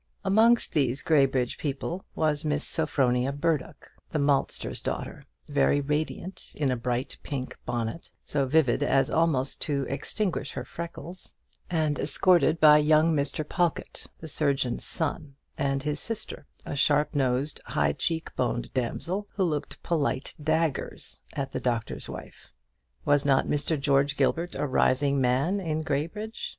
Amongst these Graybridge people was Miss Sophronia Burdock, the maltster's daughter, very radiant in a bright pink bonnet, so vivid as almost to extinguish her freckles, and escorted by young Mr. Pawlkatt, the surgeon's son, and his sister, a sharp nosed, high cheek boned damsel, who looked polite daggers at the Doctor's Wife. Was not Mr. George Gilbert a rising man in Graybridge?